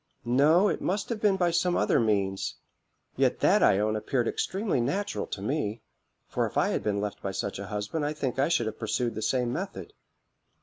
No, it must have been by some other means; yet that I own appeared extremely natural to me; for if I had been left by such a husband I think I should have pursued the same method."